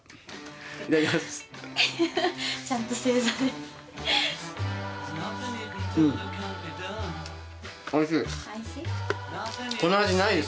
いただきます。